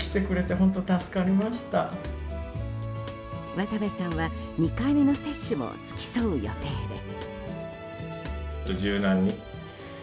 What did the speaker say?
渡部さんは２回目の接種も付き添う予定です。